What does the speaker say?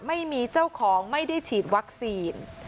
ไม่มีเจ้าของไม่ได้ฉีดวัคซีน